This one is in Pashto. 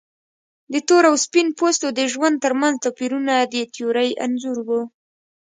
د تور او سپین پوستو د ژوند ترمنځ توپیرونه د تیورۍ انځور و.